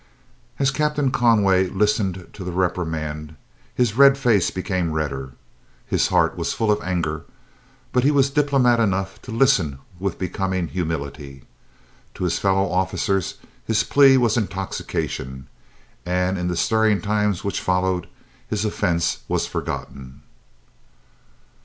As Captain Conway listened to the reprimand, his red face became redder. His heart was full of anger, but he was diplomat enough to listen with becoming humility. To his fellow officers his plea was intoxication, and in the stirring times which followed, his offence was forgotten.